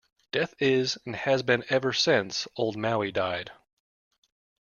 Death is and has been ever since old Maui died.